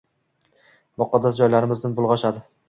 Muqaddas joylarimizni bulg‘ashadi